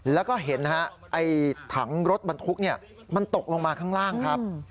แล้วก็เห็นถังรถบรรทุกมันตกลงมาข้างล่างครับ